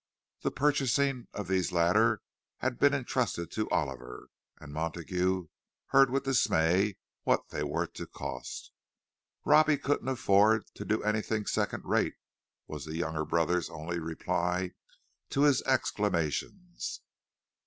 The purchasing of these latter had been entrusted to Oliver, and Montague heard with dismay what they were to cost. "Robbie couldn't afford to do anything second rate," was the younger brother's only reply to his exclamations.